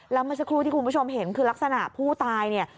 แล้วเมื่อสักครู่ที่คุณผู้ชมเห็นคือลักษณะผู้ตายเนี่ย